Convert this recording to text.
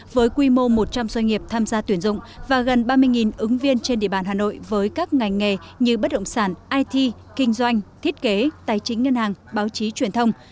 với quy mô một trăm linh doanh nghiệp tham gia tuyển dụng và gần ba mươi ứng viên trên địa bàn hà nội với các ngành nghề như bất động sản it kinh doanh thiết kế tài chính ngân hàng báo chí truyền thông